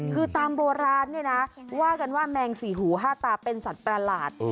คือตามโบราณเนี่ยนะว่ากันว่าแมงสี่หูห้าตาเป็นสัตว์ประหลาด